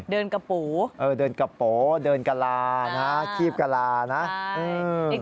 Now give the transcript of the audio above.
เดินกระปูคลี๊ปกระล่านะคลี๊ปกระลาดนะนะฮึ้มใช่